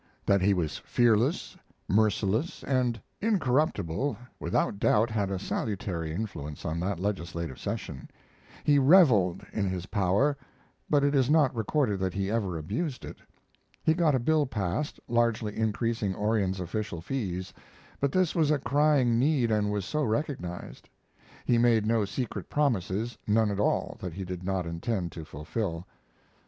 That he was fearless, merciless, and incorruptible, without doubt had a salutary influence on that legislative session. He reveled in his power; but it is not recorded that he ever abused it. He got a bill passed, largely increasing Orion's official fees, but this was a crying need and was so recognized. He made no secret promises, none at all that he did not intend to fulfill.